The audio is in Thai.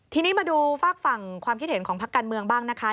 ทีนี้มาดูฝากฝั่งความคิดเห็นของพักการเมืองบ้างนะคะ